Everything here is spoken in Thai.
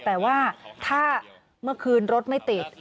แต่ว่าถ้าเมื่อคืนรถไม่ติด